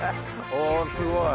おおすごい。